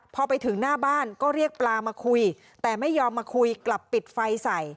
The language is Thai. พอไปถึงหน้าบ้านก็เรียกปลามาคุยแต่ไม่ยอมมาคุยกลับปิดไฟใส่